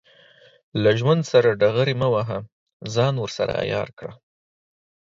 له ژوند سره ډغرې مه وهه، ځان ورسره عیار کړه.